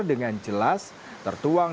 dengan jelas tertuang